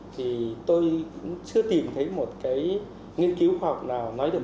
thì tôi cũng chưa tìm thấy một cái nghiên cứu khoa học nào nói được